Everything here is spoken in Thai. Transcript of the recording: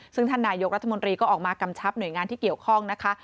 ซึ่งท่านนายกรัฐมนตรีก็ออกมากำชับหน่วยงานที่เกี่ยวข้องนะคะ